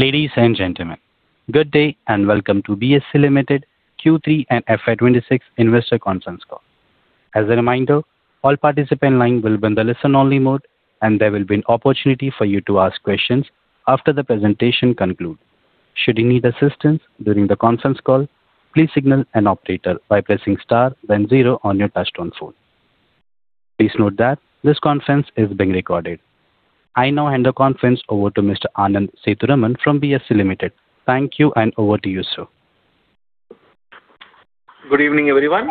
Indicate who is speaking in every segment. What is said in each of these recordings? Speaker 1: Ladies and gentlemen, good day and welcome to BSE Limited Q3 and FY26 investor consult call. As a reminder, all participants' lines will be in the listen-only mode, and there will be an opportunity for you to ask questions after the presentation concludes. Should you need assistance during the consult call, please signal an operator by pressing star then zero on your touchscreen phone. Please note that this conference is being recorded. I now hand the conference over to Mr. Anand Sethuraman from BSE Limited. Thank you, and over to you, sir.
Speaker 2: Good evening, everyone,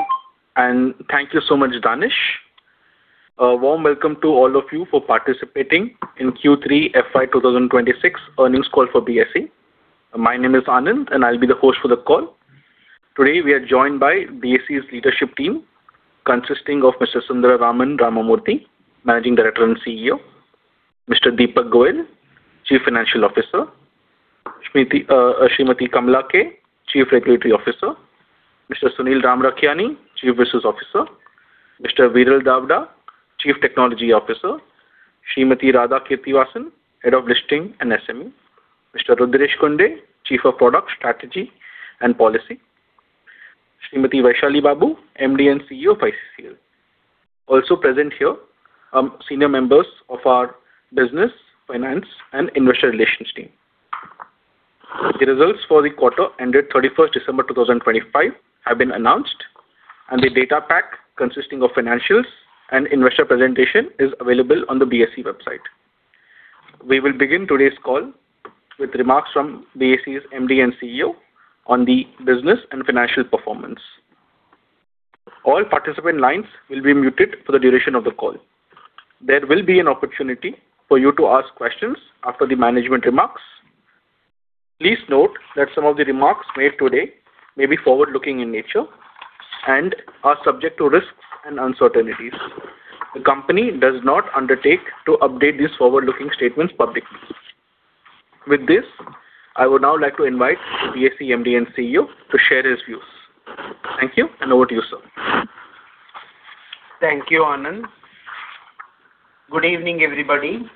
Speaker 2: and thank you so much, Danish. A warm welcome to all of you for participating in Q3 FY2026 earnings call for BSE. My name is Anand, and I'll be the host for the call. Today we are joined by BSE's leadership team, consisting of Mr. Sundararaman Ramamurthy, Managing Director and CEO, Mr. Deepak Goel, Chief Financial Officer, Shrimati Kamala K, Chief Regulatory Officer, Mr. Sunil Ramrakhiani, Chief Business Officer, Mr. Viral Davda, Chief Technology Officer, Shrimati Radha Srinivasan, Head of Listing and SME, Mr. Rudresh Kunde, Chief of Product Strategy and Policy, Shrimati Vaishali Babu, MD and CEO of ICCL. Also present here are senior members of our Business, Finance, and Investor Relations team. The results for the quarter ended 31st December 2025 have been announced, and the data pack consisting of financials and investor presentation is available on the BSE website. We will begin today's call with remarks from BSE's MD and CEO on the business and financial performance. All participant lines will be muted for the duration of the call. There will be an opportunity for you to ask questions after the management remarks. Please note that some of the remarks made today may be forward-looking in nature and are subject to risks and uncertainties. The company does not undertake to update these forward-looking statements publicly. With this, I would now like to invite BSE MD and CEO to share his views. Thank you, and over to you, sir.
Speaker 3: Thank you, Anand. Good evening, everybody,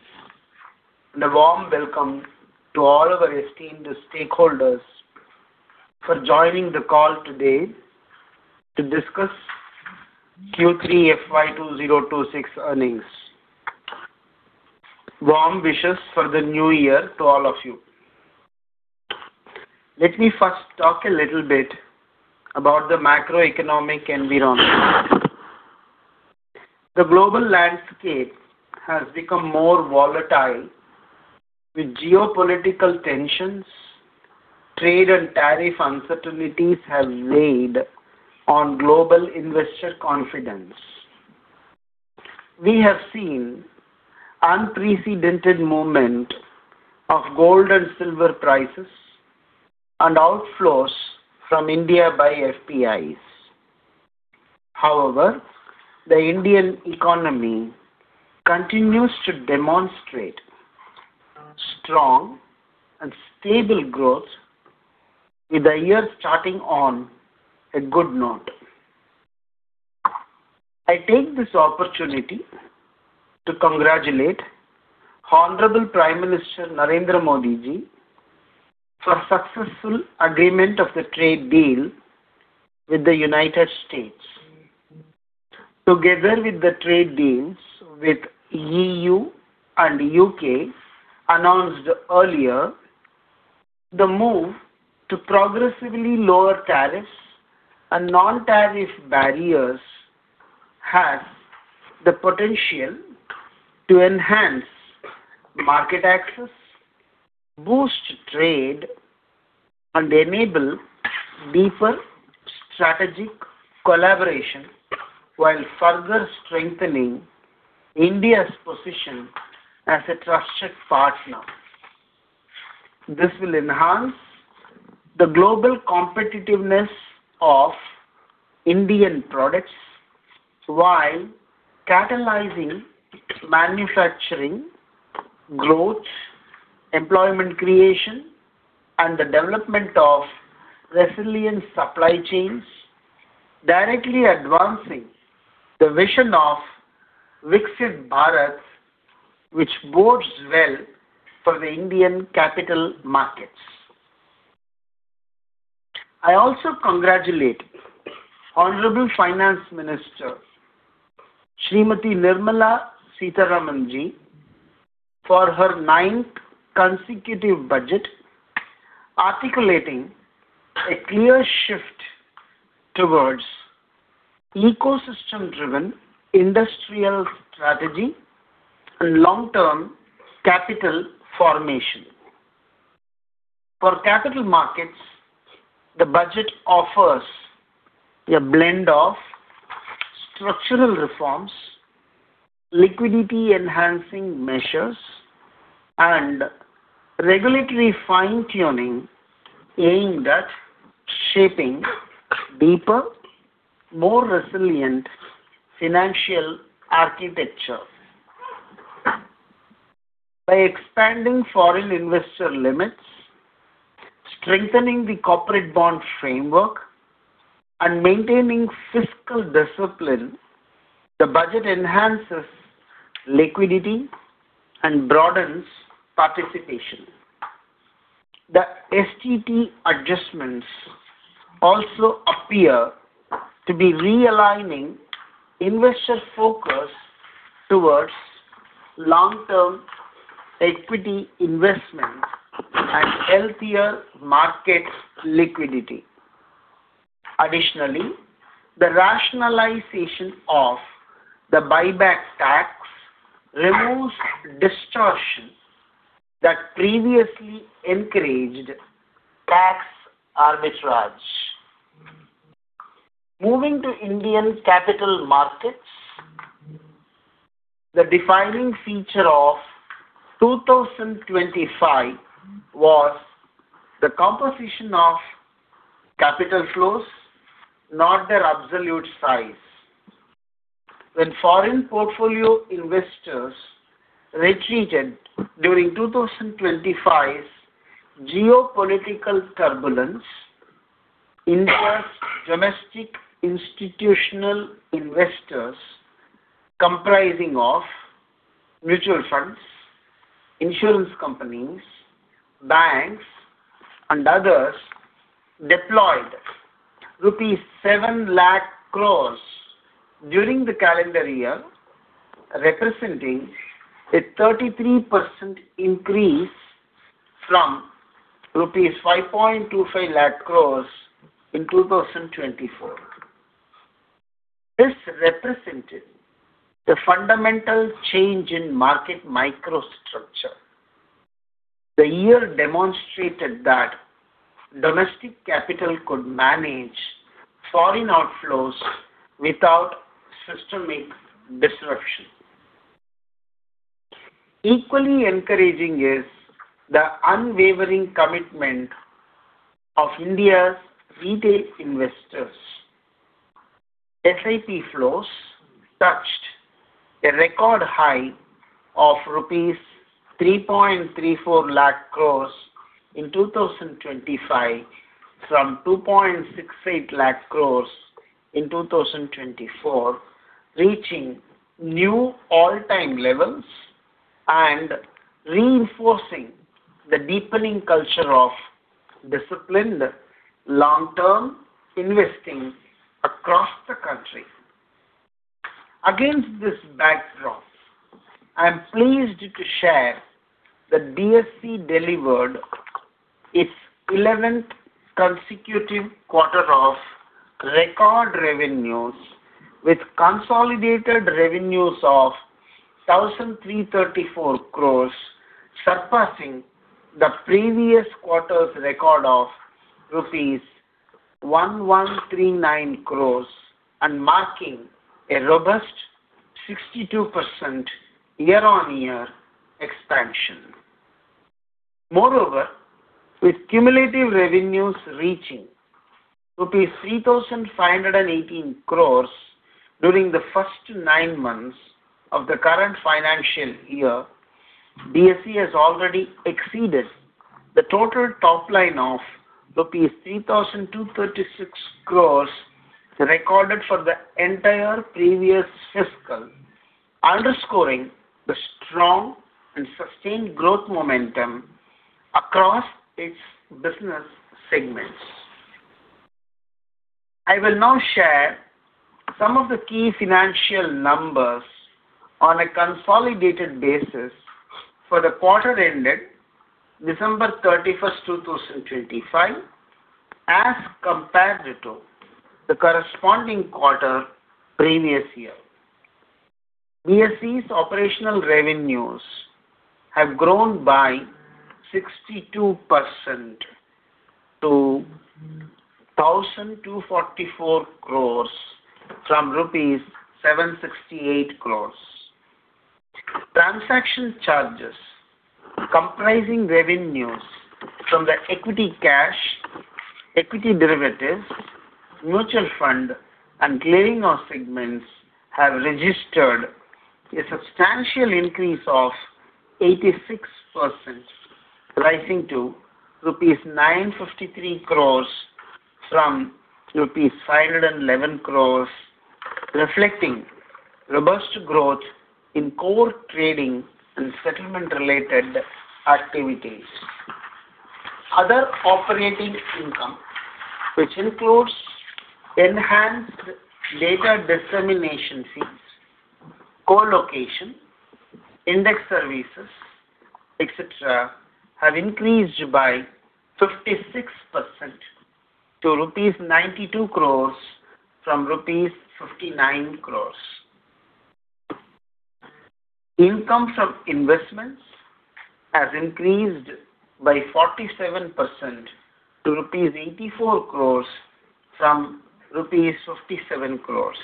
Speaker 3: and a warm welcome to all of our esteemed stakeholders for joining the call today to discuss Q3 FY 2026 earnings. Warm wishes for the new year to all of you. Let me first talk a little bit about the macroeconomic environment. The global landscape has become more volatile with geopolitical tensions. Trade and tariff uncertainties have weighed on global investor confidence. We have seen unprecedented movements of gold and silver prices and outflows from India by FPIs. However, the Indian economy continues to demonstrate strong and stable growth with the year starting on a good note. I take this opportunity to congratulate Honorable Prime Minister Narendra Modi Ji for the successful agreement of the trade deal with the United States. Together with the trade deals with the E.U. and the U.K. announced earlier, the move to progressively lower tariffs and non-tariff barriers has the potential to enhance market access, boost trade, and enable deeper strategic collaboration while further strengthening India's position as a trusted partner. This will enhance the global competitiveness of Indian products while catalyzing manufacturing growth, employment creation, and the development of resilient supply chains, directly advancing the vision of Viksit Bharat, which bodes well for the Indian capital markets. I also congratulate Honorable Finance Minister Shrimati Nirmala Sitharaman Ji for her ninth consecutive budget articulating a clear shift towards ecosystem-driven industrial strategy and long-term capital formation. For capital markets, the budget offers a blend of structural reforms, liquidity-enhancing measures, and regulatory fine-tuning aimed at shaping a deeper, more resilient financial architecture. By expanding foreign investor limits, strengthening the corporate bond framework, and maintaining fiscal discipline, the budget enhances liquidity and broadens participation. The STT adjustments also appear to be realigning investor focus towards long-term equity investments and healthier market liquidity. Additionally, the rationalization of the buyback tax removes distortion that previously encouraged tax arbitrage. Moving to Indian capital markets, the defining feature of 2025 was the composition of capital flows, not their absolute size. When foreign portfolio investors retreated during 2025's geopolitical turbulence, India's domestic institutional investors comprising of mutual funds, insurance companies, banks, and others deployed rupees 700,000 crore during the calendar year, representing a 33% increase from INR 525,000 crore in 2024. This represented a fundamental change in market microstructure. The year demonstrated that domestic capital could manage foreign outflows without systemic disruption. Equally encouraging is the unwavering commitment of India's retail investors. SIP flows touched a record high of rupees 334,000 crores in 2025 from 268,000 crores in 2024, reaching new all-time levels and reinforcing the deepening culture of disciplined long-term investing across the country. Against this backdrop, I am pleased to share that BSE delivered its 11th consecutive quarter of record revenues with consolidated revenues of 1,334 crores, surpassing the previous quarter's record of rupees 1,139 crores and marking a robust 62% year-on-year expansion. Moreover, with cumulative revenues reaching rupees 3,518 crores during the first nine months of the current financial year, BSE has already exceeded the total top line of rupees 3,236 crores recorded for the entire previous fiscal, underscoring the strong and sustained growth momentum across its business segments. I will now share some of the key financial numbers on a consolidated basis for the quarter ended December 31st, 2025, as compared to the corresponding quarter previous year. BSE's operational revenues have grown by 62% to 1,244 crores from rupees 768 crores. Transaction charges comprising revenues from the equity cash, equity derivatives, mutual fund, and Clearing segments have registered a substantial increase of 86%, rising to rupees 953 crores from rupees 511 crores, reflecting robust growth in core trading and settlement-related activities. Other operating income, which includes enhanced data dissemination fees, Colocation, index services, etc., have increased by 56% to rupees 92 crores from rupees 59 crores. Income from investments has increased by 47% to rupees 84 crores from rupees 57 crores.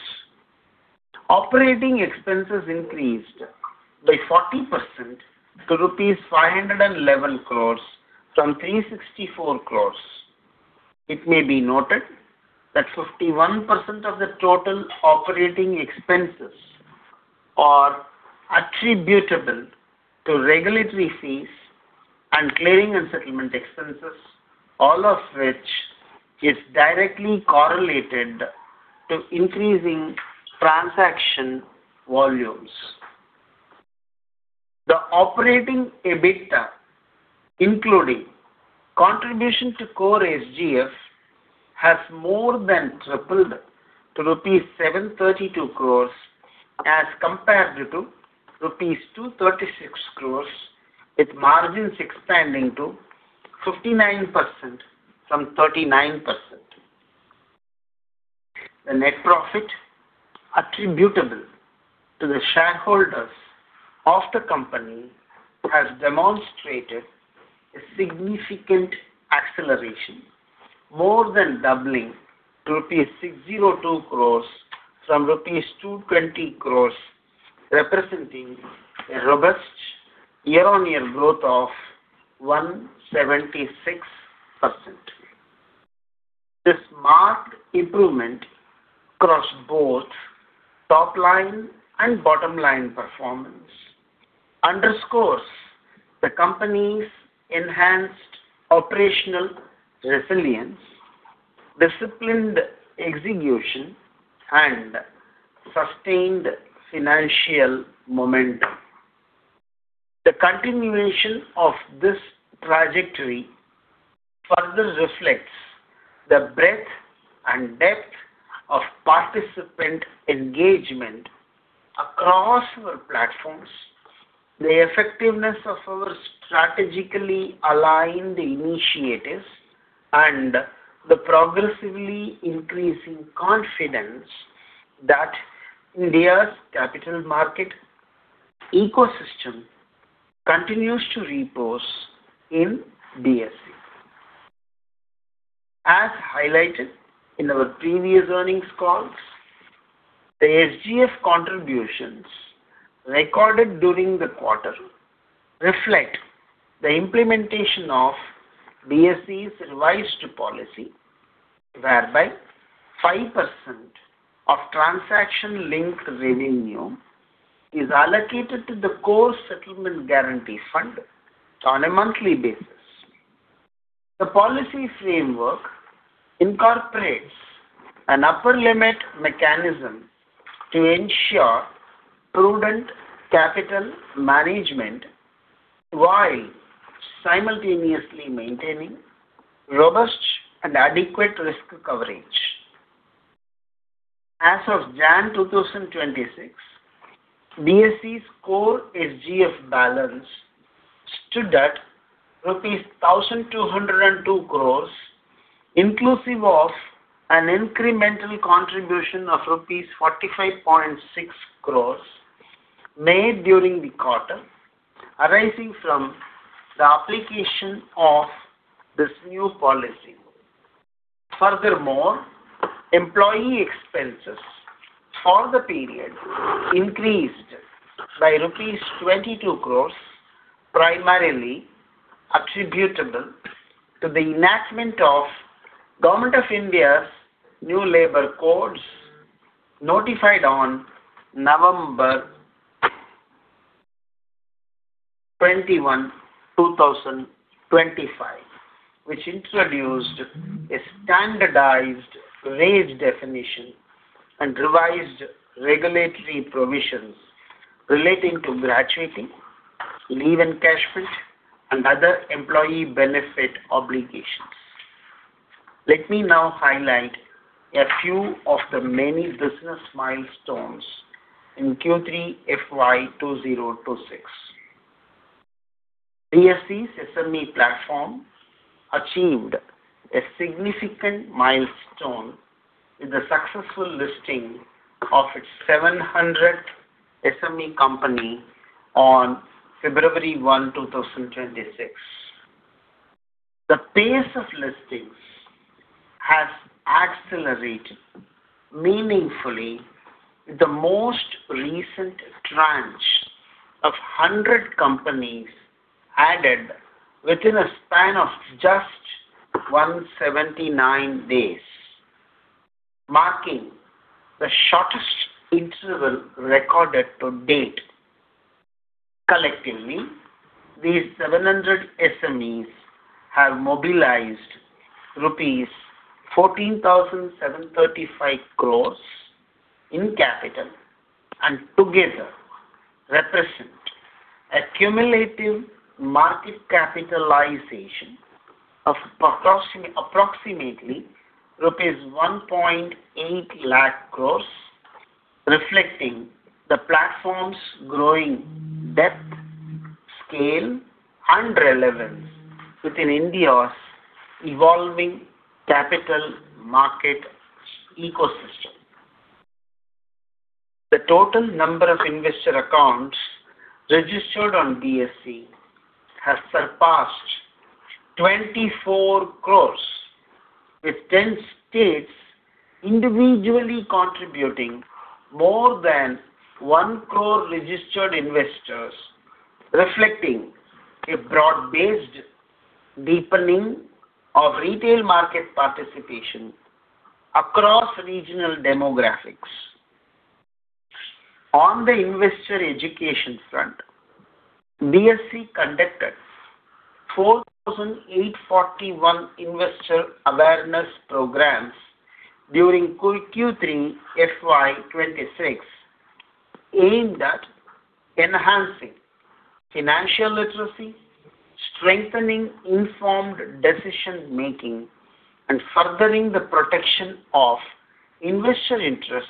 Speaker 3: Operating expenses increased by 40% to rupees 511 crores from 364 crores. It may be noted that 51% of the total operating expenses are attributable to regulatory fees and clearing and settlement expenses, all of which is directly correlated to increasing transaction volumes. The operating EBITDA, including contribution to Core SGF, has more than tripled to rupees 732 crores as compared to rupees 236 crores, with margins expanding to 59% from 39%. The net profit attributable to the shareholders of the company has demonstrated a significant acceleration, more than doubling to rupees 602 crores from rupees 220 crores, representing a robust year-on-year growth of 176%. This marked improvement across both top line and bottom line performance underscores the company's enhanced operational resilience, disciplined execution, and sustained financial momentum. The continuation of this trajectory further reflects the breadth and depth of participant engagement across our platforms, the effectiveness of our strategically aligned initiatives, and the progressively increasing confidence that India's capital market ecosystem continues to repose in BSE. As highlighted in our previous earnings calls, the SGF contributions recorded during the quarter reflect the implementation of BSE's revised policy, whereby 5% of transaction-linked revenue is allocated to the core settlement guarantee fund on a monthly basis. The policy framework incorporates an upper limit mechanism to ensure prudent capital management while simultaneously maintaining robust and adequate risk coverage. As of January 2026, BSE's core SGF balance stood at rupees 1,202 crores, inclusive of an incremental contribution of rupees 45.6 crores made during the quarter, arising from the application of this new policy. Furthermore, employee expenses for the period increased by INR 22 crores, primarily attributable to the enactment of Government of India's new labor codes notified on November 21, 2025, which introduced a standardized wage definition and revised regulatory provisions relating to Gratuity, leave encashment, and other employee benefit obligations. Let me now highlight a few of the many business milestones in Q3 FY 2026. BSE's SME Platform achieved a significant milestone with the successful listing of its 700th SME company on February 1, 2026. The pace of listings has accelerated meaningfully with the most recent tranche of 100 companies added within a span of just 179 days, marking the shortest interval recorded to date. Collectively, these 700 SMEs have mobilized rupees 14,735 crore in capital and together represent accumulative market capitalization of approximately INR 180,000 crore, reflecting the platform's growing depth, scale, and relevance within India's evolving capital market ecosystem. The total number of investor accounts registered on BSE has surpassed 24 crore, with 10 states individually contributing more than 1 crore registered investors, reflecting a broad-based deepening of retail market participation across regional demographics. On the investor education front, BSE conducted 4,841 investor awareness programs during Q3 FY2026 aimed at enhancing financial literacy, strengthening informed decision-making, and furthering the protection of investor interests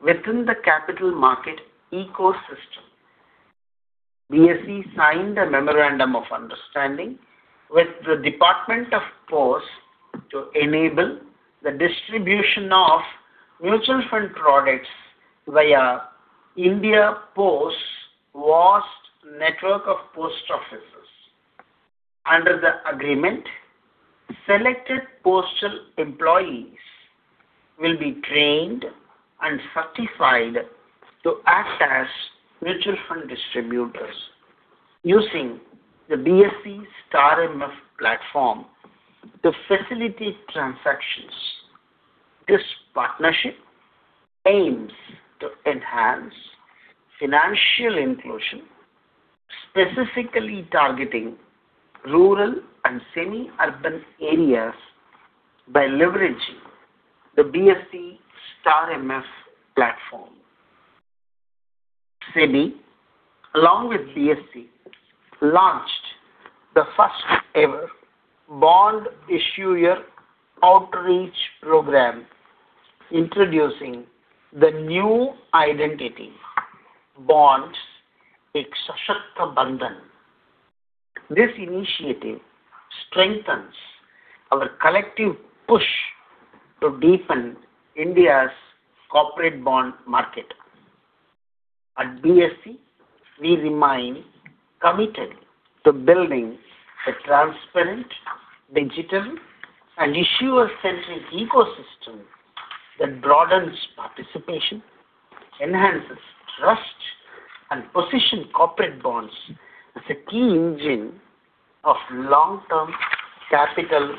Speaker 3: within the capital market ecosystem. BSE signed a memorandum of understanding with the Department of Posts to enable the distribution of mutual fund products via India Post's vast network of post offices. Under the agreement, selected postal employees will be trained and certified to act as mutual fund distributors using the BSE StAR MF platform to facilitate transactions. This partnership aims to enhance financial inclusion, specifically targeting rural and semi-urban areas by leveraging the BSE StAR MF platform. SEBI, along with BSE, launched the first-ever bond issuer outreach program introducing the new identity, "Bonds - Ek Sashakt Bandhan." This initiative strengthens our collective push to deepen India's corporate bond market. At BSE, we remain committed to building a transparent, digital, and issuer-centric ecosystem that broadens participation, enhances trust, and positions corporate bonds as a key engine of long-term capital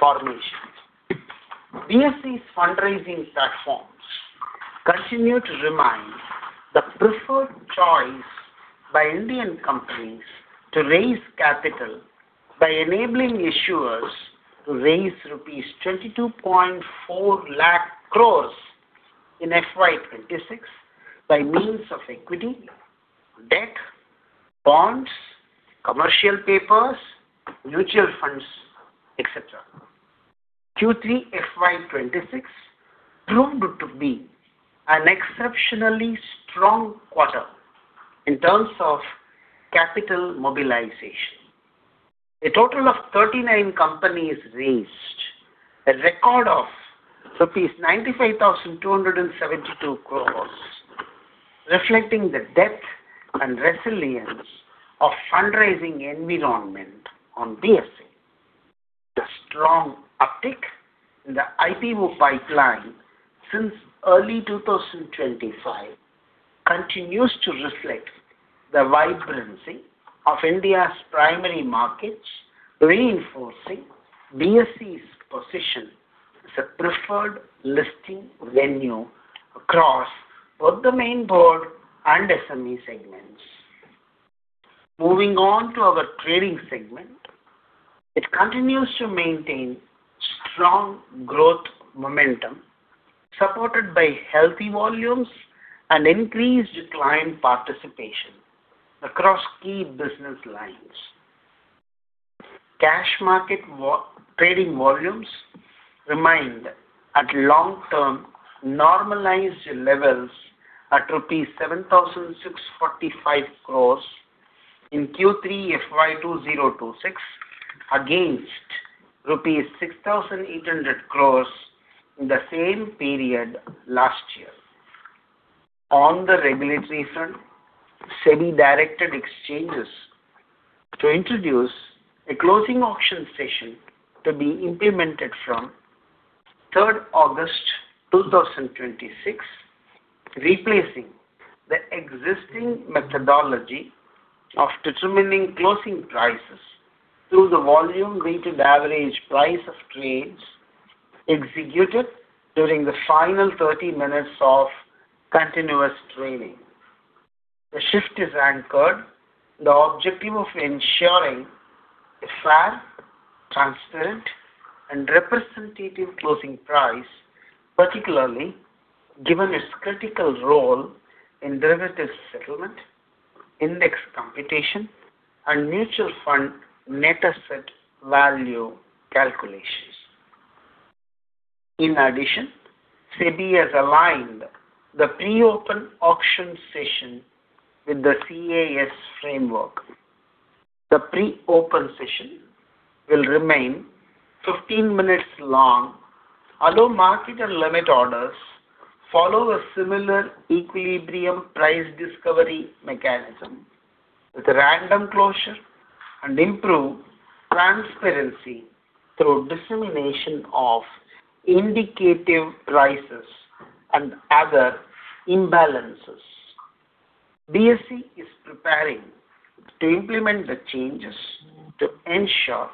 Speaker 3: formation. BSE's fundraising platforms continue to remain the preferred choice by Indian companies to raise capital by enabling issuers to raise rupees 2,240,000 crore in FY 2026 by means of equity, debt, bonds, commercial papers, mutual funds, etc. Q3 FY 2026 proved to be an exceptionally strong quarter in terms of capital mobilization. A total of 39 companies raised a record of rupees 95,272 crore, reflecting the depth and resilience of fundraising environment on BSE. The strong uptick in the IPO pipeline since early 2025 continues to reflect the vibrancy of India's primary markets, reinforcing BSE's position as a preferred listing venue across both the main board and SME segments. Moving on to our trading segment, it continues to maintain strong growth momentum supported by healthy volumes and increased client participation across key business lines. Cash market trading volumes remain at long-term normalized levels at INR 7,645 crores in Q3 FY 2026 against rupees 6,800 crores in the same period last year. On the regulatory front, SEBI directed exchanges to introduce a closing auction session to be implemented from 3 August 2026, replacing the existing methodology of determining closing prices through the volume-weighted average price of trades executed during the final 30 minutes of continuous trading. The shift is anchored in the objective of ensuring a fair, transparent, and representative closing price, particularly given its critical role in derivative settlement, index computation, and mutual fund net asset value calculations. In addition, SEBI has aligned the pre-open auction session with the CAS framework. The pre-open session will remain 15 minutes long, although market and limit orders follow a similar equilibrium price discovery mechanism with random closure and improved transparency through dissemination of indicative prices and other imbalances. BSE is preparing to implement the changes to ensure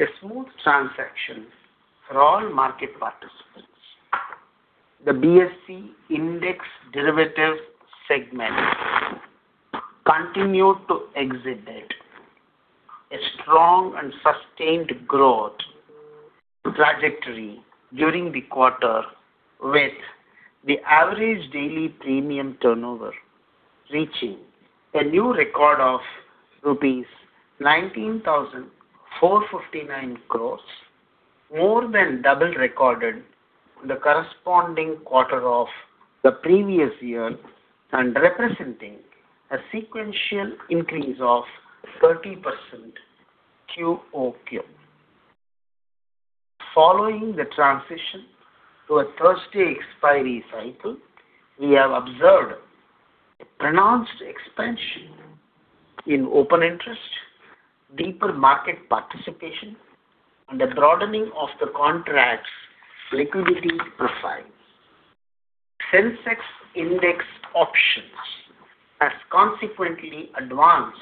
Speaker 3: a smooth transaction for all market participants. The BSE index derivative segment continued to exhibit a strong and sustained growth trajectory during the quarter, with the average daily premium turnover reaching a new record of rupees 19,459 crores, more than double recorded in the corresponding quarter of the previous year and representing a sequential increase of 30% QoQ. Following the transition to a Thursday expiry cycle, we have observed a pronounced expansion in open interest, deeper market participation, and a broadening of the contract's liquidity profile. Sensex Index Options has consequently advanced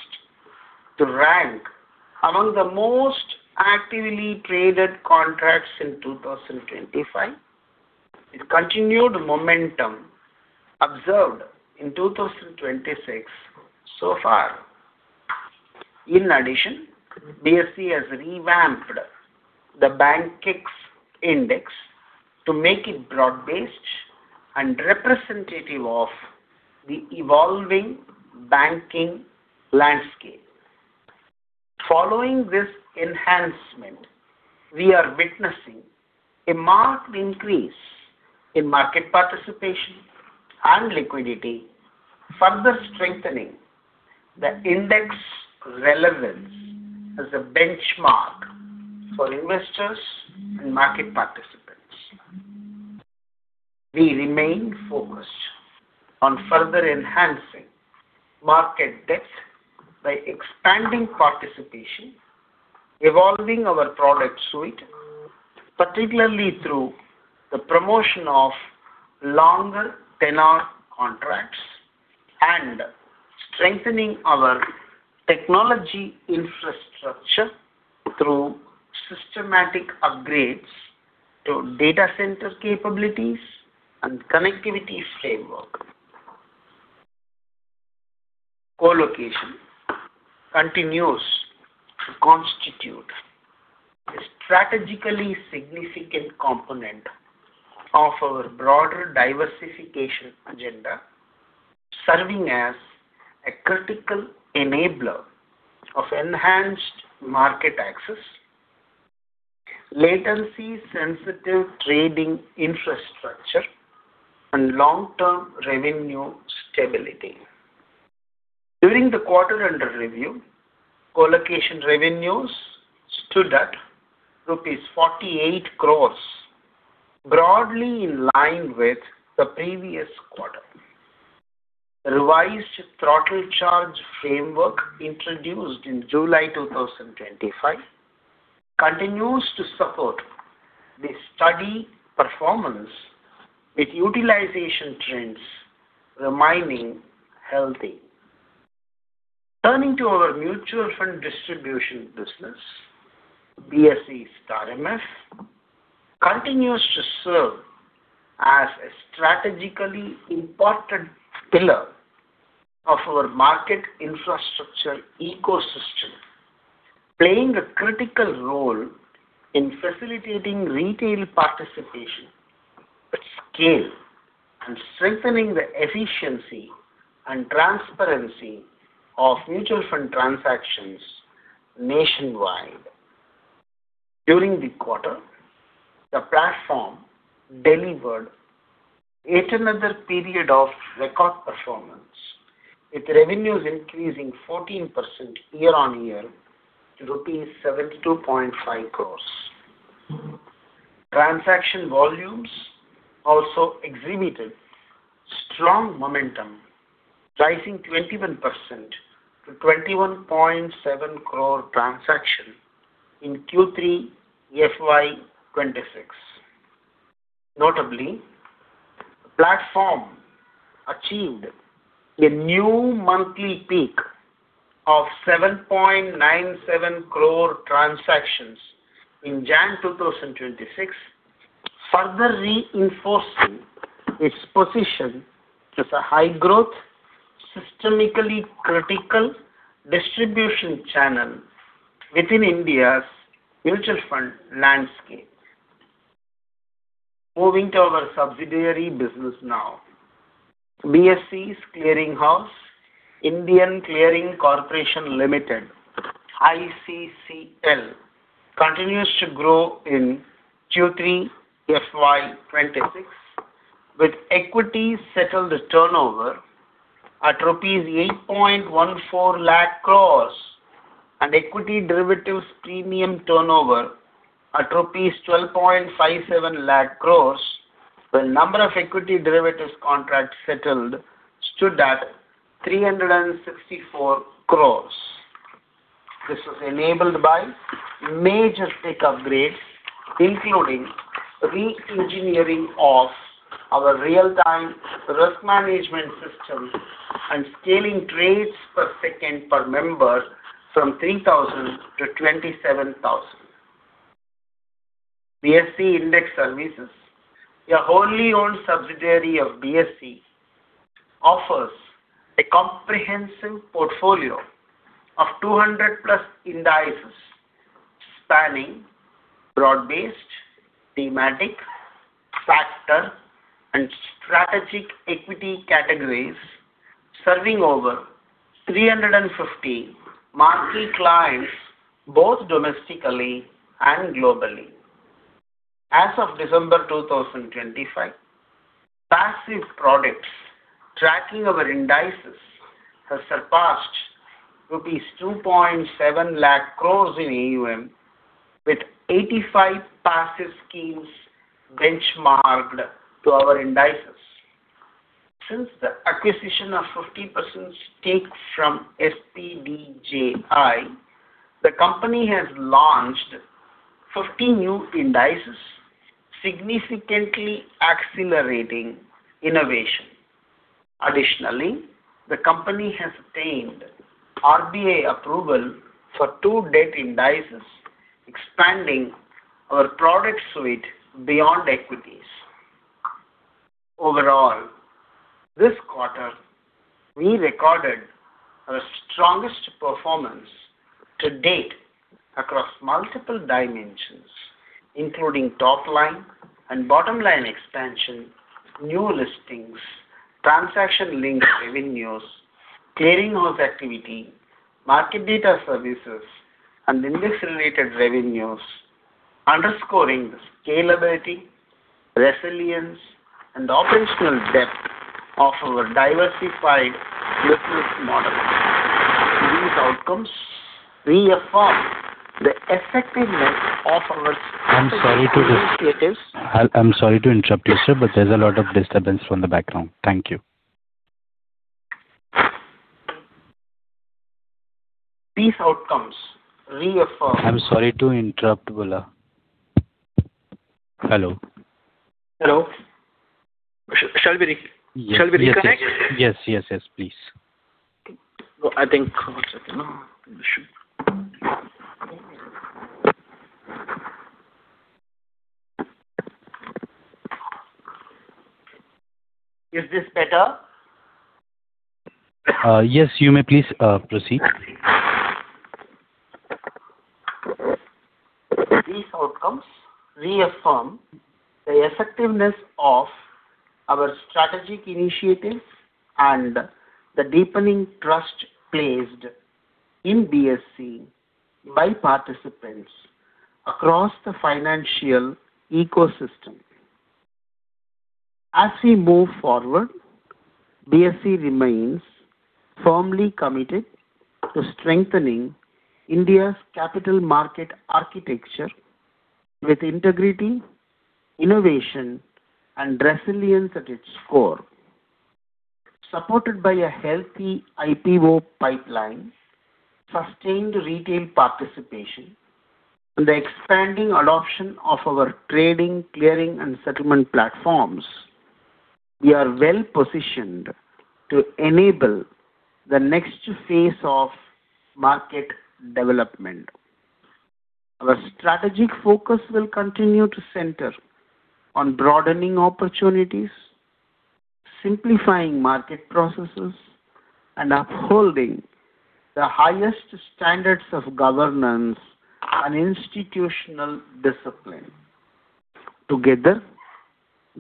Speaker 3: to rank among the most actively traded contracts in 2025 with continued momentum observed in 2026 so far. In addition, BSE has revamped the BANKEX Index to make it broad-based and representative of the evolving banking landscape. Following this enhancement, we are witnessing a marked increase in market participation and liquidity, further strengthening the index's relevance as a benchmark for investors and market participants. We remain focused on further enhancing market depth by expanding participation, evolving our product suite, particularly through the promotion of longer tenor contracts, and strengthening our technology infrastructure through systematic upgrades to data center capabilities and connectivity framework. Colocation continues to constitute a strategically significant component of our broader diversification agenda, serving as a critical enabler of enhanced market access, latency-sensitive trading infrastructure, and long-term revenue stability. During the quarter under review, colocation revenues stood at rupees 48 crores, broadly in line with the previous quarter. The revised throttle charge framework introduced in July 2025 continues to support the steady performance, with utilization trends remaining healthy. Turning to our mutual fund distribution business, BSE StAR MF continues to serve as a strategically important pillar of our market infrastructure ecosystem, playing a critical role in facilitating retail participation, scale, and strengthening the efficiency and transparency of mutual fund transactions nationwide. During the quarter, the platform delivered yet another period of record performance, with revenues increasing 14% year-on-year to INR 72.5 crores. Transaction volumes also exhibited strong momentum, rising 21% to 21.7 crore transactions in Q3 FY 2026. Notably, the platform achieved a new monthly peak of 7.97 crore transactions in January 2026, further reinforcing its position as a high-growth, systemically critical distribution channel within India's mutual fund landscape. Moving to our subsidiary business now, BSE's clearing house, Indian Clearing Corporation Limited, ICCL, continues to grow in Q3 FY 2026 with equity-settled turnover at rupees 814,000 crore and equity derivatives premium turnover at rupees 1,257,000 crore, while the number of equity derivatives contracts settled stood at 364 crore. This was enabled by major tech upgrades, including re-engineering of our real-time risk management system and scaling trades per second per member from 3,000 to 27,000. BSE Index Services, a wholly owned subsidiary of BSE, offers a comprehensive portfolio of 200+ indices spanning broad-based, thematic, sector, and strategic equity categories, serving over 350 marquee clients both domestically and globally. As of December 2025, passive products tracking our indices have surpassed rupees 270,000 crore in AUM, with 85 passive schemes benchmarked to our indices. Since the acquisition of 50% stake from SPDJI, the company has launched 50 new indices, significantly accelerating innovation. Additionally, the company has obtained RBI approval for two debt indices, expanding our product suite beyond equities. Overall, this quarter, we recorded our strongest performance to date across multiple dimensions, including top-line and bottom-line expansion, new listings, transaction-linked revenues, clearinghouse activity, market data services, and index-related revenues, underscoring the scalability, resilience, and operational depth of our diversified business model. These outcomes reaffirm the effectiveness of our strategic initiatives.
Speaker 2: I'm sorry to interrupt you, sir, but there's a lot of disturbance from the background. Thank you.
Speaker 3: These outcomes reaffirm.
Speaker 2: I'm sorry to interrupt, Bhola. Hello?
Speaker 3: Hello? Shall we reconnect?
Speaker 2: Yes, yes, yes, please.
Speaker 3: I think one second. Is this better?
Speaker 2: Yes, you may please proceed.
Speaker 3: These outcomes reaffirm the effectiveness of our strategic initiatives and the deepening trust placed in BSE by participants across the financial ecosystem. As we move forward, BSE remains firmly committed to strengthening India's capital market architecture with integrity, innovation, and resilience at its core. Supported by a healthy IPO pipeline, sustained retail participation, and the expanding adoption of our trading, clearing, and settlement platforms, we are well-positioned to enable the next phase of market development. Our strategic focus will continue to center on broadening opportunities, simplifying market processes, and upholding the highest standards of governance and institutional discipline. Together,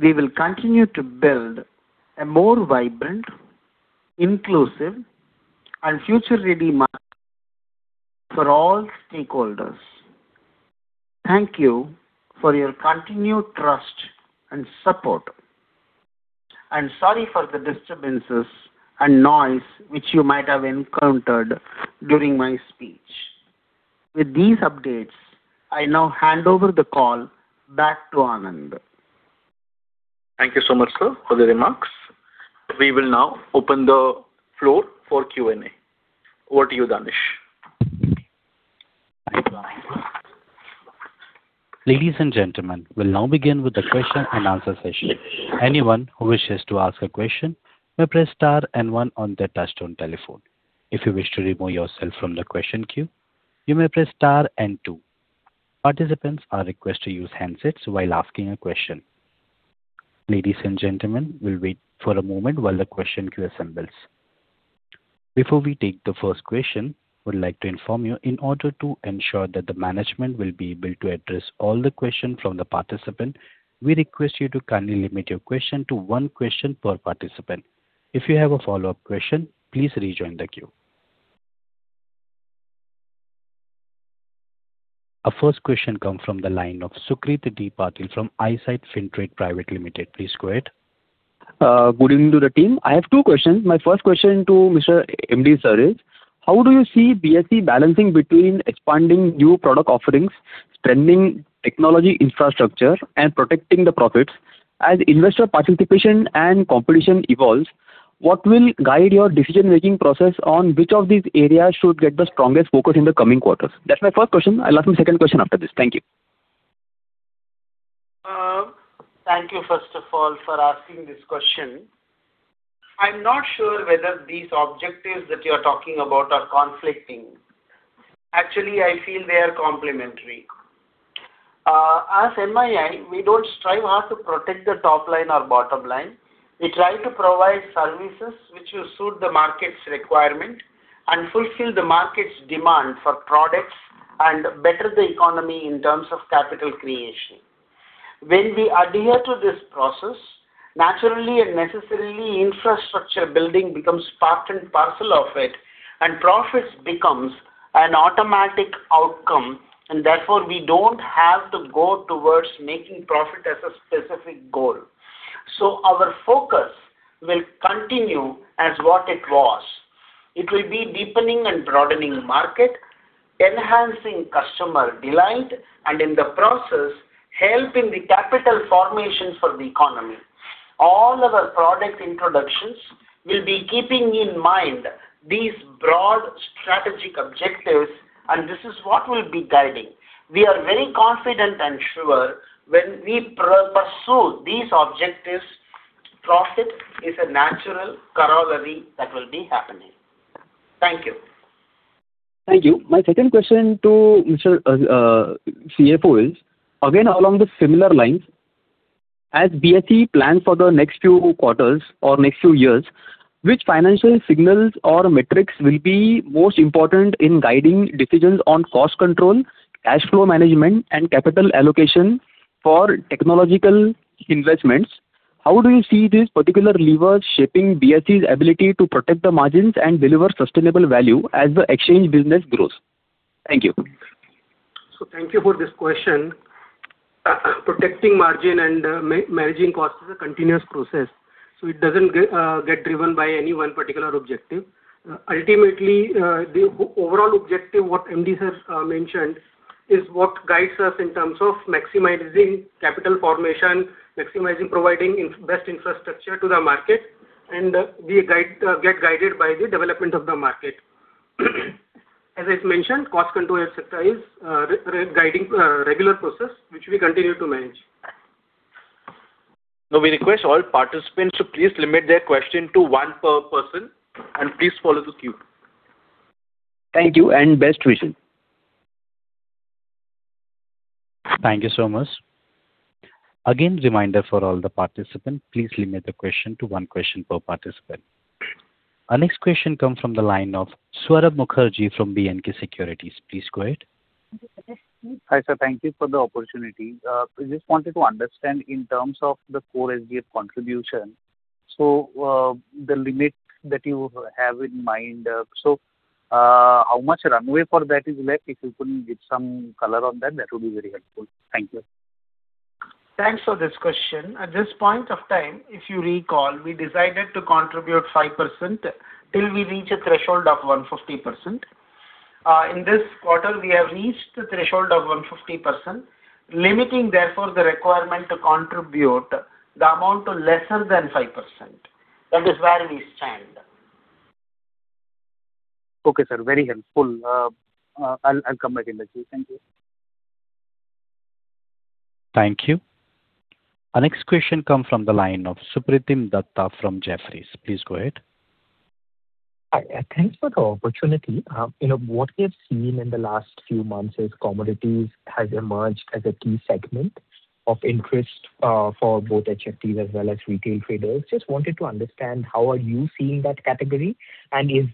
Speaker 3: we will continue to build a more vibrant, inclusive, and future-ready market for all stakeholders. Thank you for your continued trust and support, and sorry for the disturbances and noise which you might have encountered during my speech. With these updates, I now hand over the call back to Anand.
Speaker 2: Thank you so much, sir, for the remarks. We will now open the floor for Q&A. Over to you, Danish.
Speaker 1: Ladies and gentlemen, we'll now begin with the question-and-answer session. Anyone who wishes to ask a question may press star and one on their touch-tone telephone. If you wish to remove yourself from the question queue, you may press star and two. Participants are requested to use handsets while asking a question. Ladies and gentlemen, we'll wait for a moment while the question queue assembles. Before we take the first question, I would like to inform you, in order to ensure that the management will be able to address all the questions from the participants, we request you to kindly limit your questions to one question per participant. If you have a follow-up question, please rejoin the queue. The first question comes from the line of Sucrit Patil from Eyesight Fintrade Pvt Ltd. Please go ahead.
Speaker 4: Good evening to the team. I have two questions. My first question to Mr. MD, sir, is: How do you see BSE balancing between expanding new product offerings, strengthening technology infrastructure, and protecting the profits? As investor participation and competition evolve, what will guide your decision-making process on which of these areas should get the strongest focus in the coming quarters? That's my first question. I'll ask my second question after this. Thank you.
Speaker 3: Thank you, first of all, for asking this question. I'm not sure whether these objectives that you're talking about are conflicting. Actually, I feel they are complementary. As MII, we don't strive hard to protect the top line or bottom line. We try to provide services which will suit the market's requirement and fulfill the market's demand for products and better the economy in terms of capital creation. When we adhere to this process, naturally and necessarily, infrastructure building becomes part and parcel of it, and profits become an automatic outcome, and therefore we don't have to go towards making profit as a specific goal. So our focus will continue as what it was. It will be deepening and broadening the market, enhancing customer delight, and in the process, helping the capital formation for the economy. All our product introductions will be keeping in mind these broad strategic objectives, and this is what will be guiding. We are very confident and sure when we pursue these objectives, profit is a natural corollary that will be happening. Thank you.
Speaker 4: Thank you. My second question to Mr. CFO is, again along the similar lines: As BSE plans for the next few quarters or next few years, which financial signals or metrics will be most important in guiding decisions on cost control, cash flow management, and capital allocation for technological investments? How do you see these particular levers shaping BSE's ability to protect the margins and deliver sustainable value as the exchange business grows? Thank you.
Speaker 5: So thank you for this question. Protecting margin and managing cost is a continuous process, so it doesn't get driven by any one particular objective. Ultimately, the overall objective what MD, sir, mentioned is what guides us in terms of maximizing capital formation, maximizing providing best infrastructure to the market, and we get guided by the development of the market. As I mentioned, cost control etc. is a guiding regular process which we continue to manage. Now, we request all participants to please limit their questions to one per person, and please follow the queue.
Speaker 3: Thank you, and best wishes.
Speaker 2: Thank you so much. Again, reminder for all the participants: please limit the questions to one question per participant. Our next question comes from the line of Swarnabha Mukherjee from B&K Securities. Please go ahead.
Speaker 6: Hi, sir. Thank you for the opportunity. I just wanted to understand in terms of the core SGF contribution, so the limit that you have in mind, so how much runway for that is left? If you could give some color on that, that would be very helpful. Thank you.
Speaker 3: Thanks for this question. At this point of time, if you recall, we decided to contribute 5% till we reach a threshold of 150%. In this quarter, we have reached the threshold of 150%, limiting therefore the requirement to contribute the amount to lesser than 5%. That is where we stand.
Speaker 6: Okay, sir. Very helpful. I'll come back in a few. Thank you.
Speaker 2: Thank you. Our next question comes from the line of Supratim Datta from Jefferies. Please go ahead.
Speaker 7: Thanks for the opportunity. What we have seen in the last few months is commodities have emerged as a key segment of interest for both HFTs as well as retail traders. Just wanted to understand how are you seeing that category, and is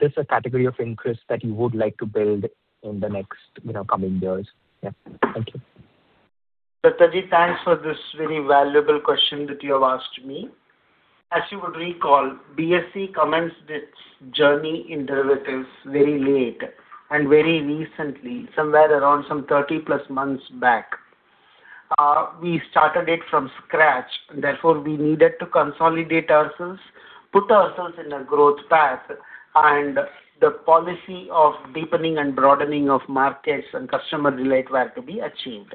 Speaker 7: this a category of interest that you would like to build in the next coming years? Yeah. Thank you.
Speaker 3: Datta ji, thanks for this very valuable question that you have asked me. As you would recall, BSE commenced its journey in derivatives very late and very recently, somewhere around some 30+ months back. We started it from scratch, and therefore we needed to consolidate ourselves, put ourselves in a growth path, and the policy of deepening and broadening of markets and customer relations were to be achieved.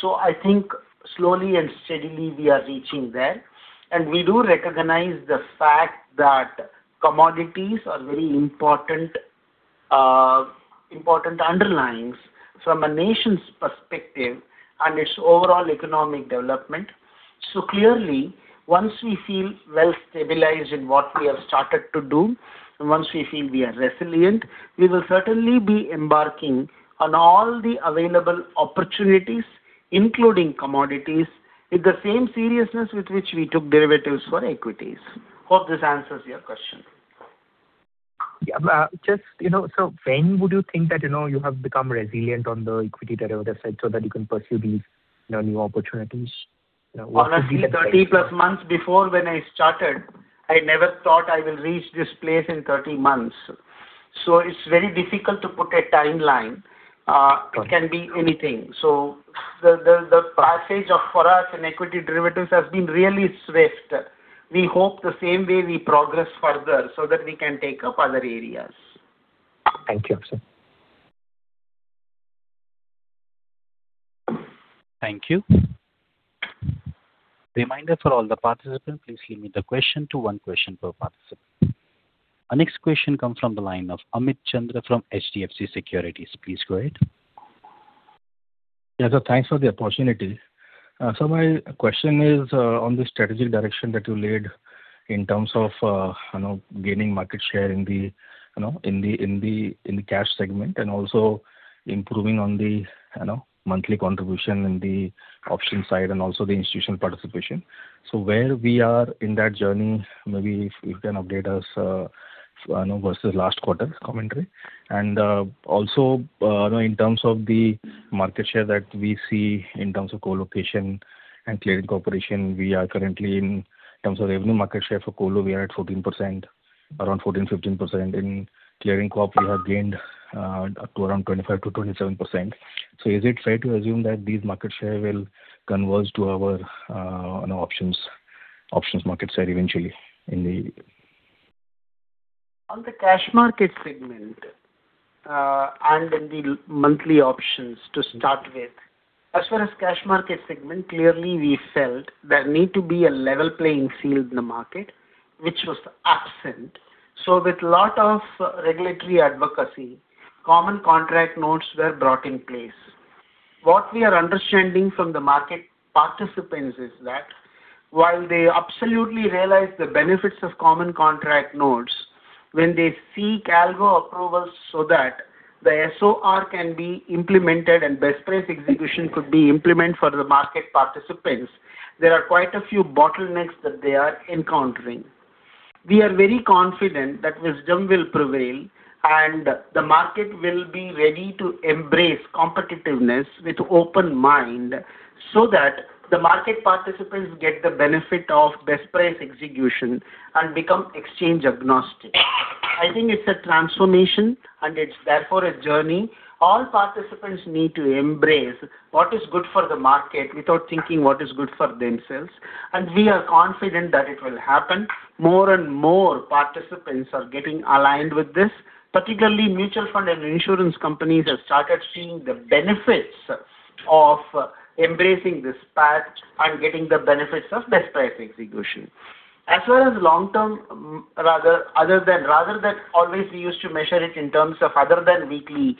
Speaker 3: So I think slowly and steadily, we are reaching there, and we do recognize the fact that commodities are very important underlyings from a nation's perspective and its overall economic development. So clearly, once we feel well-stabilized in what we have started to do, and once we feel we are resilient, we will certainly be embarking on all the available opportunities, including commodities, with the same seriousness with which we took derivatives for equities. Hope this answers your question.
Speaker 7: Yeah. So when would you think that you have become resilient on the equity derivative side so that you can pursue these new opportunities?
Speaker 3: Honestly, 30+ months before when I started, I never thought I will reach this place in 30 months. So it's very difficult to put a timeline. It can be anything. So the passage for us in equity derivatives has been really swift. We hope the same way we progress further so that we can take up other areas.
Speaker 7: Thank you, sir.
Speaker 2: Thank you. Reminder for all the participants: please limit the questions to one question per participant. Our next question comes from the line of Amit Chandra from HDFC Securities. Please go ahead.
Speaker 8: Yeah, sir. Thanks for the opportunity. So my question is on the strategic direction that you led in terms of gaining market share in the cash segment and also improving on the monthly contribution in the options side and also the institutional participation. So where we are in that journey, maybe if you can update us versus last quarter's commentary. And also in terms of the market share that we see in terms of colocation and Clearing Corporation, we are currently in terms of revenue market share for colo, we are at 14%, around 14%-15%. In Clearing Corp, we have gained around 25%-27%. So is it fair to assume that this market share will converge to our options market share eventually in the?
Speaker 3: On the cash market segment and in the monthly options to start with, as far as cash market segment, clearly we felt there need to be a level playing field in the market, which was absent. So with a lot of regulatory advocacy, common contract notes were brought in place. What we are understanding from the market participants is that while they absolutely realize the benefits of common contract notes, when they seek algo approvals so that the SOR can be implemented and best price execution could be implemented for the market participants, there are quite a few bottlenecks that they are encountering. We are very confident that wisdom will prevail, and the market will be ready to embrace competitiveness with an open mind so that the market participants get the benefit of best price execution and become exchange agnostic. I think it's a transformation, and it's therefore a journey all participants need to embrace what is good for the market without thinking what is good for themselves. And we are confident that it will happen. More and more participants are getting aligned with this. Particularly, mutual fund and insurance companies have started seeing the benefits of embracing this path and getting the benefits of best price execution. As far as long-term, rather than always we used to measure it in terms of other than weekly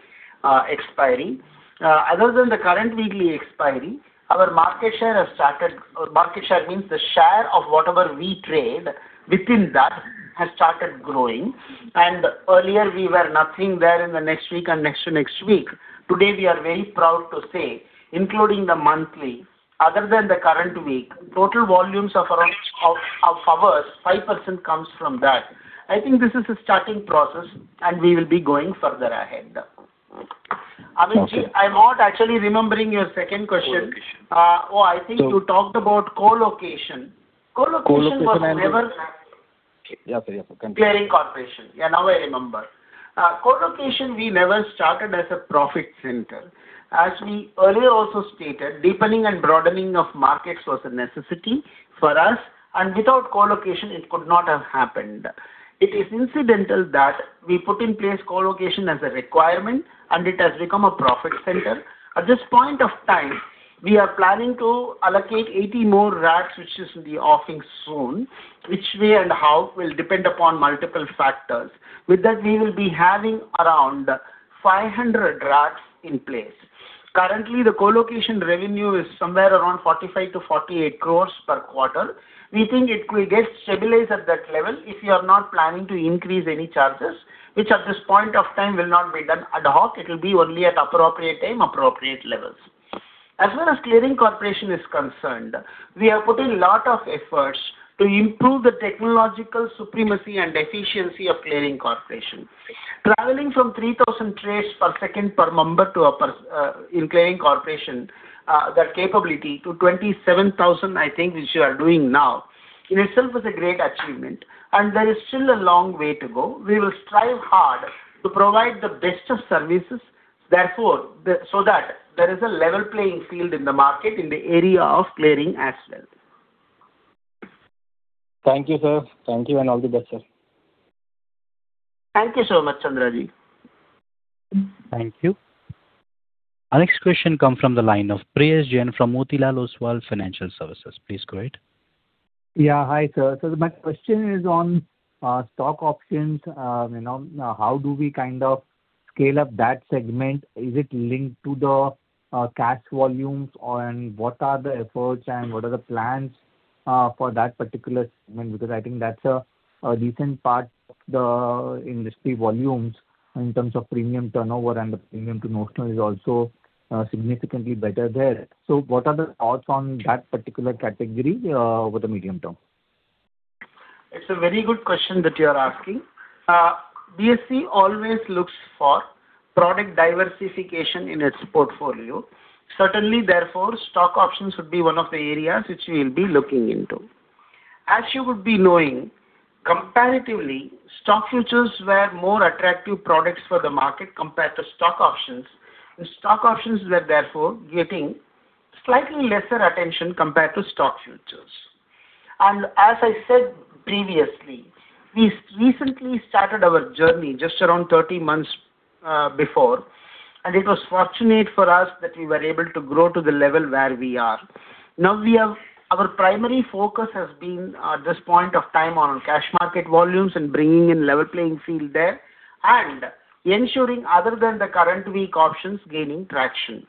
Speaker 3: expiry, other than the current weekly expiry, our market share has started. Market share means the share of whatever we trade within that has started growing. And earlier, we were nothing there in the next week and next to next week. Today, we are very proud to say, including the monthly, other than the current week, total volumes of ours, 5% comes from that. I think this is a starting process, and we will be going further ahead. Amit ji, I'm not actually remembering your second question. Oh, I think you talked about colocation. Colocation was never.
Speaker 8: Yeah, sir. Yeah, sir. Continue.
Speaker 3: Clearing Corporation. Yeah, now I remember. Colocation, we never started as a profit center. As we earlier also stated, deepening and broadening of markets was a necessity for us, and without colocation, it could not have happened. It is incidental that we put in place colocation as a requirement, and it has become a profit center. At this point of time, we are planning to allocate 80 more racks, which is in the offering soon, which way and how will depend upon multiple factors. With that, we will be having around 500 racks in place. Currently, the colocation revenue is somewhere around 45 crore-48 crore per quarter. We think it will get stabilized at that level if you are not planning to increase any charges, which at this point of time will not be done ad hoc. It will be only at appropriate time, appropriate levels. As far as clearing corporation is concerned, we have put in a lot of efforts to improve the technological supremacy and efficiency of clearing corporation. Traveling from 3,000 trades per second per member in clearing corporation, that capability to 27,000, I think, which you are doing now, in itself is a great achievement, and there is still a long way to go. We will strive hard to provide the best of services so that there is a level playing field in the market in the area of clearing as well.
Speaker 8: Thank you, sir. Thank you, and all the best, sir.
Speaker 3: Thank you so much, Chandra ji.
Speaker 1: Thank you. Our next question comes from the line of Prayesh Jain from Motilal Oswal Financial Services. Please go ahead.
Speaker 9: Yeah. Hi, sir. So my question is on stock options. How do we kind of scale up that segment? Is it linked to the cash volumes, and what are the efforts, and what are the plans for that particular segment? Because I think that's a decent part of the industry volumes in terms of premium turnover and the premium to notional is also significantly better there. So what are the thoughts on that particular category over the medium term?
Speaker 3: It's a very good question that you are asking. BSE always looks for product diversification in its portfolio. Certainly, therefore, stock options would be one of the areas which we will be looking into. As you would be knowing, comparatively, stock futures were more attractive products for the market compared to stock options, and stock options were therefore getting slightly lesser attention compared to stock futures. And as I said previously, we recently started our journey just around 30 months before, and it was fortunate for us that we were able to grow to the level where we are. Now, our primary focus has been at this point of time on cash market volumes and bringing in a level playing field there and ensuring, other than the current week options, gaining traction.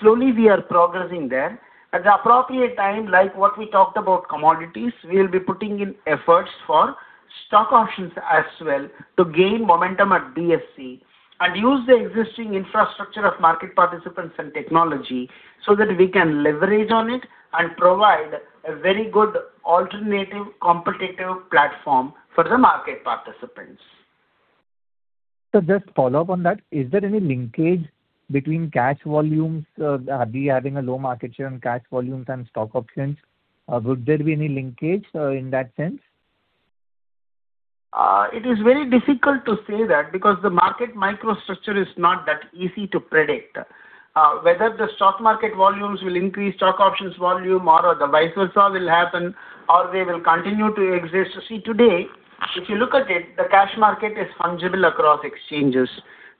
Speaker 3: Slowly, we are progressing there. At the appropriate time, like what we talked about commodities, we will be putting in efforts for stock options as well to gain momentum at BSE and use the existing infrastructure of market participants and technology so that we can leverage on it and provide a very good alternative competitive platform for the market participants.
Speaker 9: Just follow up on that. Is there any linkage between cash volumes? Are we having a low market share on cash volumes and stock options? Would there be any linkage in that sense?
Speaker 3: It is very difficult to say that because the market microstructure is not that easy to predict. Whether the stock market volumes will increase stock options volume or the vice versa will happen or they will continue to exist. See, today, if you look at it, the cash market is fungible across exchanges.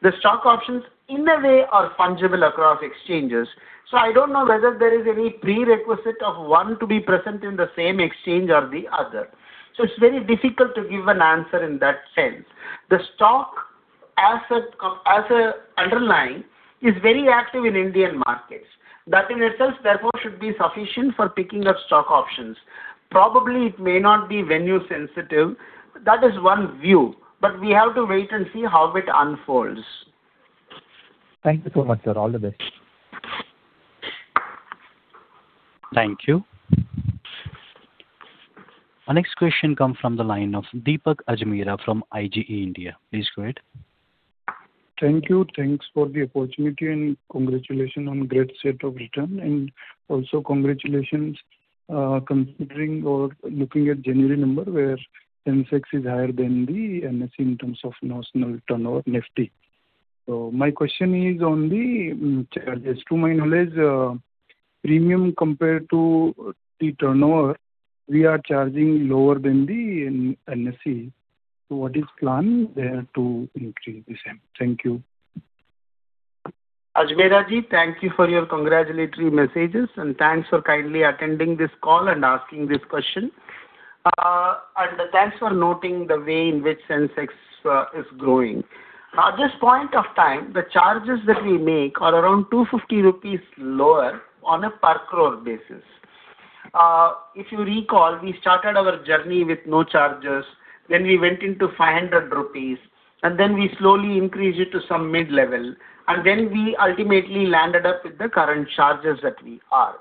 Speaker 3: The stock options, in a way, are fungible across exchanges. So I don't know whether there is any prerequisite of one to be present in the same exchange or the other. So it's very difficult to give an answer in that sense. The stock as an underlying is very active in Indian markets. That in itself, therefore, should be sufficient for picking up stock options. Probably, it may not be venue-sensitive. That is one view, but we have to wait and see how it unfolds.
Speaker 9: Thank you so much, sir. All the best.
Speaker 1: Thank you. Our next question comes from the line of Deepak Ajmera from IGE India. Please go ahead.
Speaker 10: Thank you. Thanks for the opportunity, and congratulations on a great set of results. And also, congratulations considering or looking at the January numbers where BSE is higher than the NSE in terms of notional turnover Nifty. So my question is on the charges. To my knowledge, premiums compared to the turnover, we are charging lower than the NSE. So what is the plan there to increase the same? Thank you.
Speaker 3: Ajmera ji, thank you for your congratulatory messages, and thanks for kindly attending this call and asking this question. Thanks for noting the way in which NSE is growing. At this point of time, the charges that we make are around 250 rupees lower on a per-crore basis. If you recall, we started our journey with no charges. Then we went into 500 rupees, and then we slowly increased it to some mid-level, and then we ultimately landed up with the current charges that we are.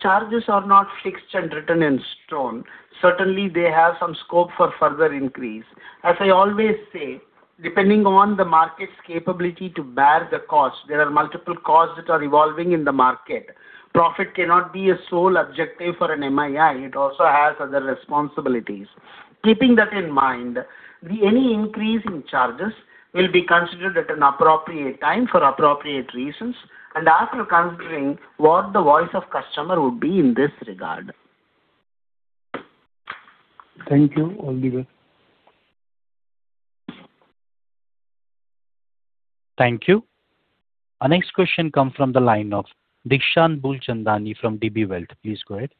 Speaker 3: Charges are not fixed and written in stone. Certainly, they have some scope for further increase. As I always say, depending on the market's capability to bear the cost, there are multiple costs that are evolving in the market. Profit cannot be a sole objective for an MII. It also has other responsibilities. Keeping that in mind, any increase in charges will be considered at an appropriate time for appropriate reasons and after considering what the voice of the customer would be in this regard.
Speaker 10: Thank you. All the best.
Speaker 1: Thank you. Our next question comes from the line of Deekshant Boolchandani from DB Wealth. Please go ahead.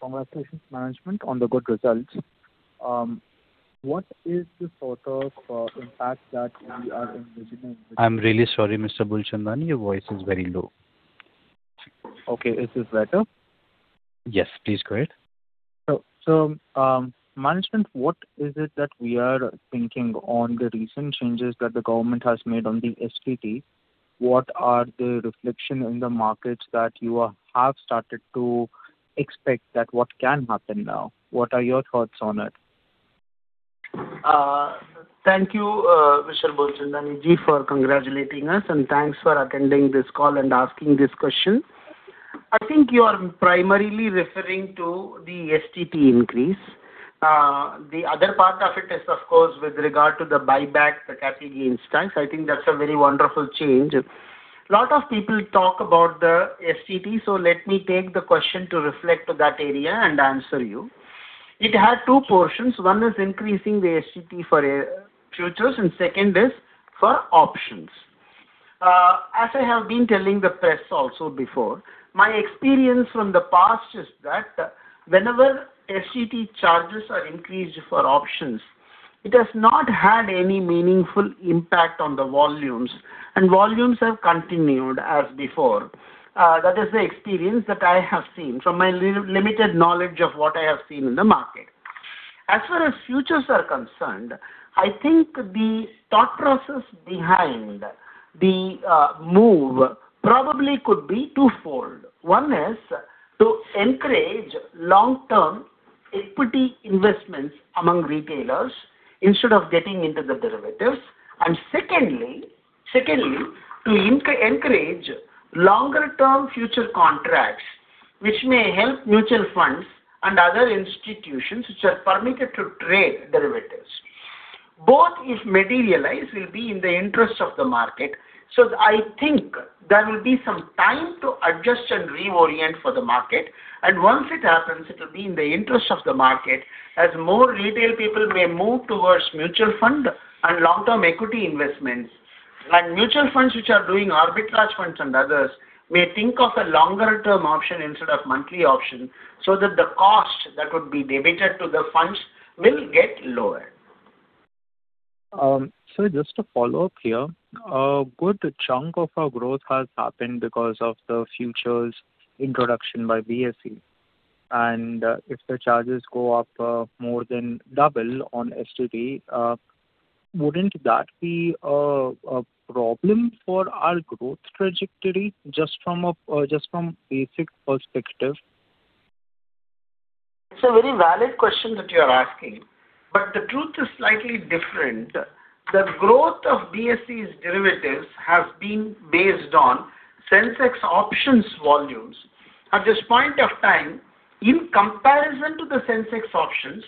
Speaker 11: Congratulations management on the good results. What is the sort of impact that we are envisioning?
Speaker 2: I'm really sorry, Mr. Boolchandani. Your voice is very low.
Speaker 11: Okay. Is this better?
Speaker 2: Yes. Please go ahead.
Speaker 11: Management, what is it that we are thinking on the recent changes that the government has made on the STT? What are the reflections in the markets that you have started to expect that what can happen now? What are your thoughts on it?
Speaker 3: Thank you, Mr. Bhulchandani ji, for congratulating us, and thanks for attending this call and asking this question. I think you are primarily referring to the STT increase. The other part of it is, of course, with regard to the buyback, the capital gains tax. I think that's a very wonderful change. A lot of people talk about the STT, so let me take the question to reflect to that area and answer you. It had two portions. One is increasing the STT for futures, and second is for options. As I have been telling the press also before, my experience from the past is that whenever STT charges are increased for options, it has not had any meaningful impact on the volumes, and volumes have continued as before. That is the experience that I have seen from my limited knowledge of what I have seen in the market. As far as futures are concerned, I think the thought process behind the move probably could be twofold. One is to encourage long-term equity investments among retailers instead of getting into the derivatives, and secondly, to encourage longer-term future contracts, which may help mutual funds and other institutions which are permitted to trade derivatives. Both, if materialized, will be in the interest of the market. I think there will be some time to adjust and reorient for the market. Once it happens, it will be in the interest of the market as more retail people may move towards mutual fund and long-term equity investments. Mutual funds which are doing arbitrage funds and others may think of a longer-term option instead of monthly option so that the cost that would be debited to the funds will get lower.
Speaker 11: Sir, just a follow-up here. A good chunk of our growth has happened because of the futures introduction by BSE. If the charges go up more than double on STT, wouldn't that be a problem for our growth trajectory just from a basic perspective?
Speaker 3: It's a very valid question that you are asking, but the truth is slightly different. The growth of BSE's derivatives has been based on Sensex options volumes. At this point of time, in comparison to the Sensex options,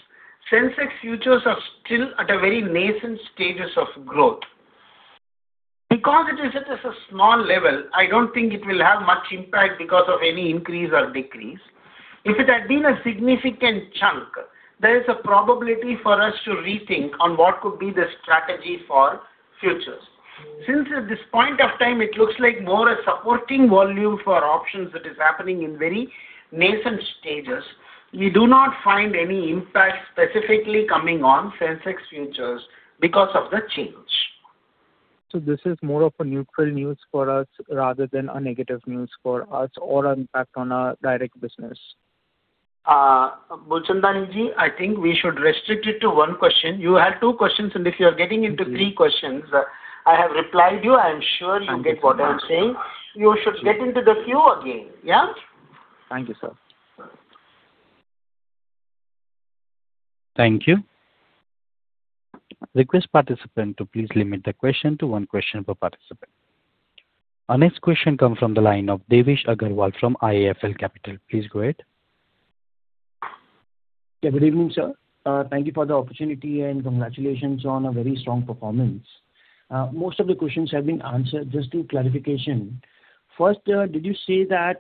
Speaker 3: Sensex futures are still at a very nascent stage of growth. Because it is at a small level, I don't think it will have much impact because of any increase or decrease. If it had been a significant chunk, there is a probability for us to rethink on what could be the strategy for futures. Since at this point of time, it looks like more a supporting volume for options that is happening in very nascent stages, we do not find any impact specifically coming on Sensex futures because of the change.
Speaker 11: This is more of a neutral news for us rather than a negative news for us or an impact on our direct business?
Speaker 3: Bhulchandani ji, I think we should restrict it to one question. You had two questions, and if you are getting into three questions, I have replied to you. I am sure you get what I am saying. You should get into the queue again. Yeah?
Speaker 11: Thank you, sir.
Speaker 2: Thank you. Request participant to please limit the question to one question per participant. Our next question comes from the line of Devesh Agarwal from IIFL Securities. Please go ahead.
Speaker 12: Yeah. Good evening, sir. Thank you for the opportunity, and congratulations on a very strong performance. Most of the questions have been answered. Just to clarification, first, did you say that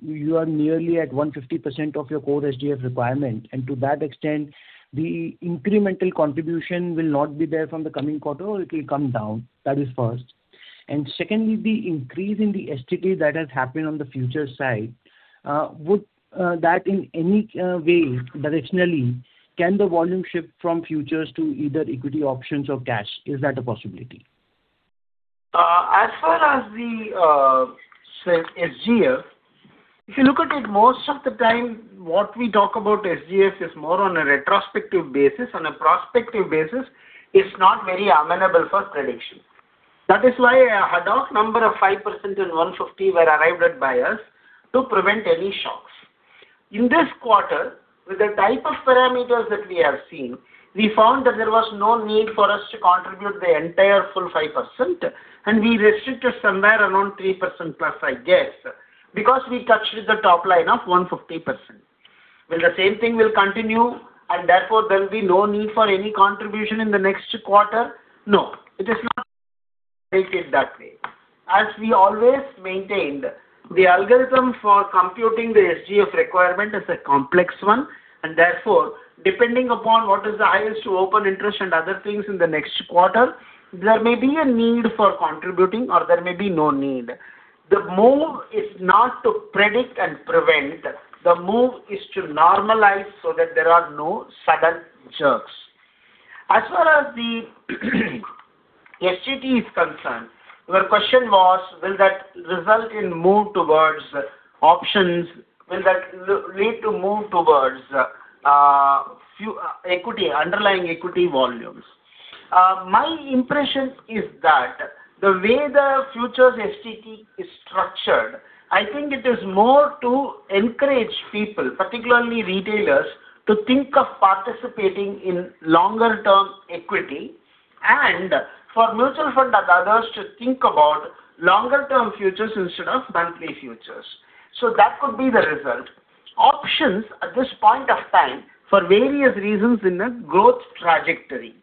Speaker 12: you are nearly at 150% of your core SGF requirement, and to that extent, the incremental contribution will not be there from the coming quarter, or it will come down? That is first. And secondly, the increase in the STT that has happened on the futures side, would that in any way directionally can the volume shift from futures to either equity options or cash? Is that a possibility?
Speaker 3: As far as the SDF, if you look at it, most of the time, what we talk about SDF is more on a retrospective basis. On a prospective basis, it's not very amenable for prediction. That is why a hard-hard number of 5% and 150 were arrived at by us to prevent any shocks. In this quarter, with the type of parameters that we have seen, we found that there was no need for us to contribute the entire full 5%, and we restricted somewhere around 3% plus, I guess, because we touched the top line of 150%. Will the same thing continue? And therefore, there'll be no need for any contribution in the next quarter? No, it is not predicted that way. As we always maintained, the algorithm for computing the SDF requirement is a complex one. Therefore, depending upon what is the highest open interest and other things in the next quarter, there may be a need for contributing, or there may be no need. The move is not to predict and prevent. The move is to normalize so that there are no sudden jerks. As far as the STT is concerned, your question was, will that result in a move towards options? Will that lead to a move towards underlying equity volumes? My impression is that the way the futures STT is structured, I think it is more to encourage people, particularly retailers, to think of participating in longer-term equity and for mutual fund and others to think about longer-term futures instead of monthly futures. So that could be the result. Options, at this point of time, for various reasons in a growth trajectory.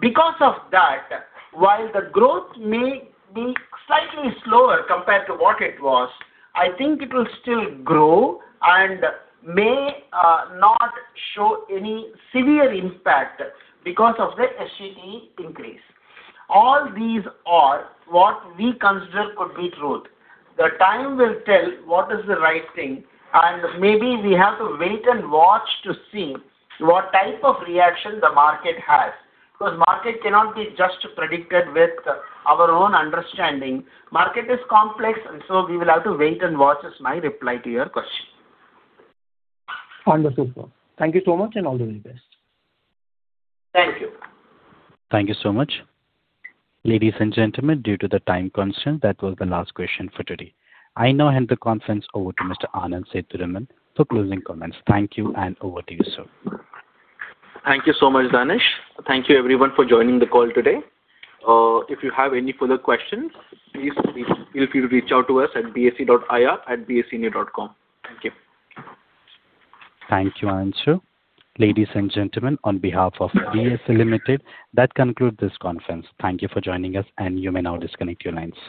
Speaker 3: Because of that, while the growth may be slightly slower compared to what it was, I think it will still grow and may not show any severe impact because of the STT increase. All these are what we consider could be truth. The time will tell what is the right thing, and maybe we have to wait and watch to see what type of reaction the market has because market cannot be just predicted with our own understanding. Market is complex, and so we will have to wait and watch is my reply to your question.
Speaker 12: Understood, sir. Thank you so much and all the very best.
Speaker 3: Thank you.
Speaker 1: Thank you so much. Ladies and gentlemen, due to the time constraint, that was the last question for today. I now hand the conference over to Mr. Anand Sethuraman for closing comments. Thank you, and over to you, sir.
Speaker 2: Thank you so much, Danesh. Thank you, everyone, for joining the call today. If you have any further questions, please feel free to reach out to us at bse.ir@bsenew.com. Thank you.
Speaker 1: Thank you, Anand sir. Ladies and gentlemen, on behalf of BSE Limited, that concludes this conference. Thank you for joining us, and you may now disconnect your lines.